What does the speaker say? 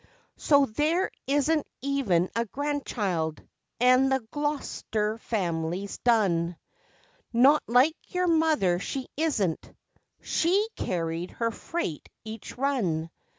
(So there isn't even a grandchild, an' the Gloster family's done.) Not like your mother, she isn't. She carried her freight each run.